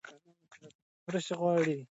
روسې غواړي افغانستان ته بیرته ستنې شي.